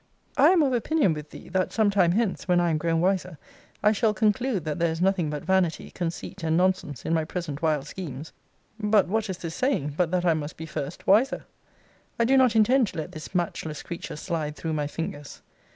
I am of opinion with thee, that some time hence, when I am grown wiser, I shall conclude, that there is nothing but vanity, conceit, and nonsense, in my present wild schemes. But what is this saying, but that I must be first wiser? I do not intend to let this matchless creature slide through my fingers.